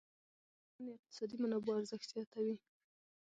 ځمکه د افغانستان د اقتصادي منابعو ارزښت زیاتوي.